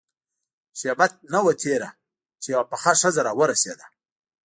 شېبه نه وه تېره چې يوه پخه ښځه راورسېده.